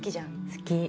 好き。